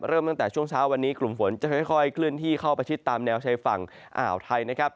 ตั้งแต่ช่วงเช้าวันนี้กลุ่มฝนจะค่อยเคลื่อนที่เข้าประชิดตามแนวชายฝั่งอ่าวไทยนะครับ